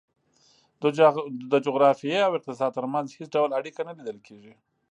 د جغرافیې او اقتصاد ترمنځ هېڅ ډول اړیکه نه لیدل کېږي.